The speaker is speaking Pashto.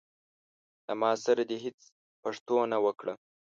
له ما سره دي هيڅ پښتو نه وکړه.